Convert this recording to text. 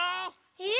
え？